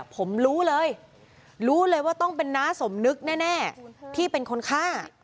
ผมรู้เลยรู้เลยว่าต้องเป็นน้าสมนึกแน่ที่เป็นคนฆ่า